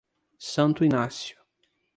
Santo Inácio